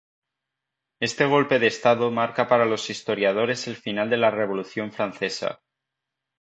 Este golpe de estado marca para los historiadores el final de la Revolución francesa.